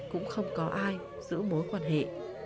cũng không có ai giữ mối quan hệ